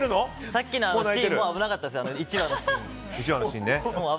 さっきのあのシーンも危なかったですよ。